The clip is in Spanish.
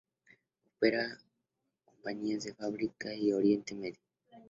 Opera para compañías de África y Oriente Medio.